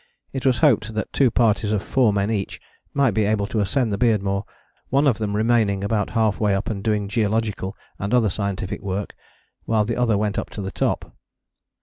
It was hoped that two parties of four men each might be able to ascend the Beardmore, one of them remaining about half way up and doing geological and other scientific work while the other went up to the top.